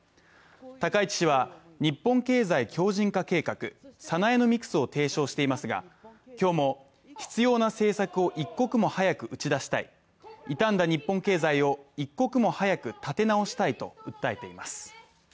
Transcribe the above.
高市氏は日本経済強じん化計画＝サナエノミクスを提唱していますが今日も必要な政策を一刻も早く打ち出したい、傷んだ日本経済を一刻も早く立て直したいと訴えています。